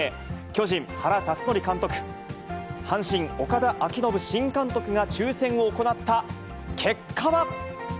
巨人、原辰徳監督、阪神、岡田彰布新監督が抽せんを行った結果は。